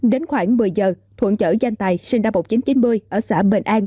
đến khoảng một mươi giờ thuận chở danh tài sinh năm một nghìn chín trăm chín mươi ở xã bình an